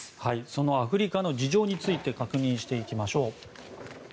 そのアフリカの事情について確認していきましょう。